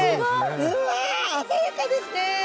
うわ鮮やかですね。